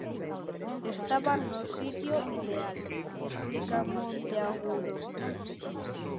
"Estaba no sitio ideal", explica Monteagudo.